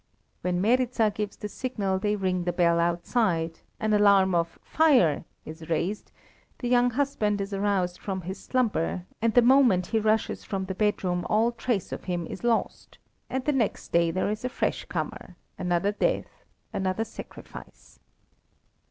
When Meryza gives the signal they ring the bell outside; an alarm of 'fire' is raised; the young husband is aroused from his slumbers, and the moment he rushes from the bedroom all trace of him is lost, and the next day there is a fresh comer, another death, another sacrifice."